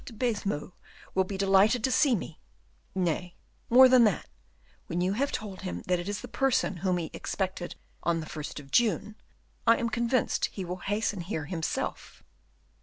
de Baisemeaux will be delighted to see me; nay, more than that, when you have told him that it is the person whom he expected on the first of June, I am convinced he will hasten here himself."